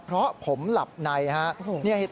เพราะผมหลับใน